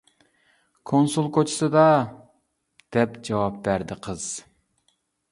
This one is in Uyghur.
— كونسۇل كوچىسىدا، — دەپ جاۋاب بەردى قىز.